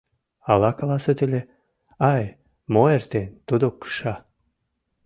— Ала каласет ыле— Ай, мо эртен, тудо кыша.